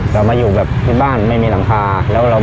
เรามาอยู่แบบที่บ้านไม่มีหลังคา